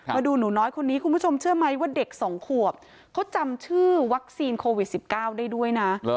มาดูหนูน้อยคนนี้คุณผู้ชมเชื่อไหมว่าเด็ก๒ขวบเขาจำชื่อวัคซีนโควิด๑๙ได้ด้วยนะ